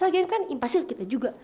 lagian kan impasi kita juga